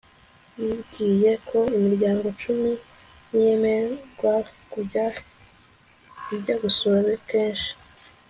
Yibwiye ko imiryango cumi niyemererwa kujya ijya gusura kenshi